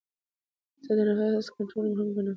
زه د نفس کنټرول مهم ګڼم.